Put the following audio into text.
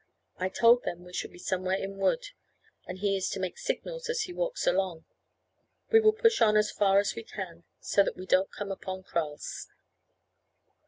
I told them we should be somewhere in wood, and he is to make signals as he walks along. We will push on as far as we can, so that we don't come upon kraals."